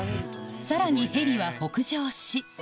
さらにヘリは北上し・